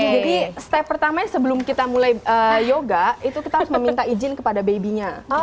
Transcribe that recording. jadi step pertamanya sebelum kita mulai yoga itu kita harus meminta izin kepada baby nya